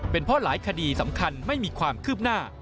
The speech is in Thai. เป็นเพราะหลายคดีสำคัญไม่มีความคืบหน้า